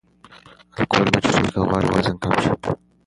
الکول مه څښئ که غواړئ وزن کم شي.